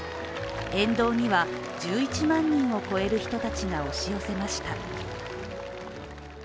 沿道には１１万人を超える人たちが押し寄せました。